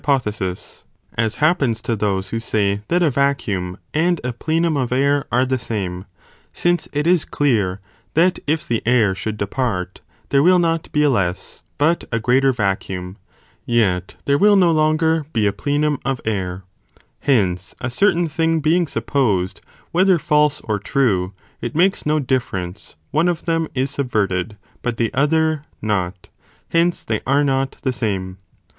* 605 pothesis ; as (hanes) to those who say that a sis, be discre 'vacuum, and a plenum of air, are the same, since Ἦν it is clear that if the air should depart, there will not be a less, but a greater vacuum, yet there will no longer be a plenum of air. Hence, a certain thing. being supposed, whe ther false or true, (it makes no difference, ) one of them is sub verted, but the other not, hence they are not the same.